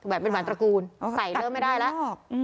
แบบเป็นหวานตระกูลใส่เริ่มไม่ได้แล้ว